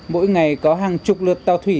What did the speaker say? mỗi ngày có hàng chục lượt tàu thủy